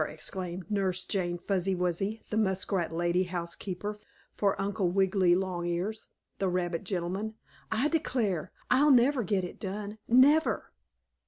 exclaimed Nurse Jane Fuzzy Wuzzy, the muskrat lady housekeeper for Uncle Wiggily Longears, the rabbit gentleman, "I declare, I'll never get it done never!"